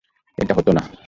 এটা হতো না।